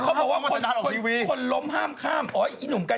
คำว่าเสียไปอ่านว่าเสียยะ